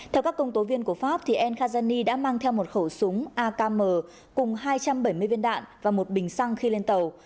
theo các công tố viên của pháp n kazani đã mang theo một khẩu súng akm cùng hai trăm bảy mươi viên đạn và một bình xăng khi lên tàu